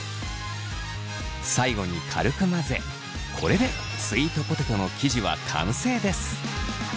最後に軽く混ぜこれでスイートポテトの生地は完成です。